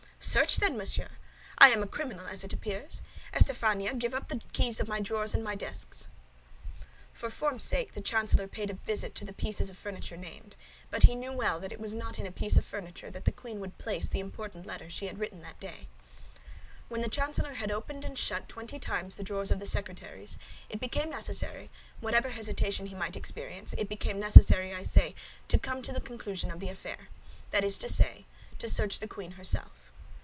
"Search, then, monsieur! I am a criminal, as it appears. Estafania, give up the keys of my drawers and my desks." For form's sake the chancellor paid a visit to the pieces of furniture named; but he well knew that it was not in a piece of furniture that the queen would place the important letter she had written that day. When the chancellor had opened and shut twenty times the drawers of the secretaries, it became necessary, whatever hesitation he might experience—it became necessary, I say, to come to the conclusion of the affair; that is to say, to search the queen herself.